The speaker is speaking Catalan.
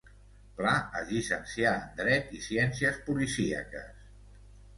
Pla es llicencià en Dret i Ciències policíaques.